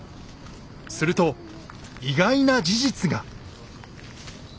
すると意外な事実が。